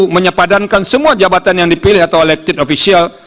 menyepadankan semua jabatan yang dipilih atau elected official